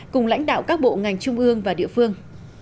cùng lãnh đạo các bộ ngành trung ương và địa phương